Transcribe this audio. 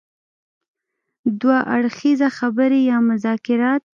دوه اړخیزه خبرې يا مذاکرات.